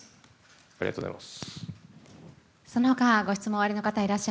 ありがとうございます。